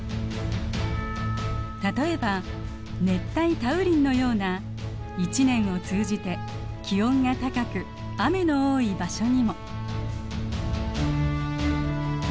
例えば熱帯多雨林のような一年を通じて気温が高く雨の多い場所にも。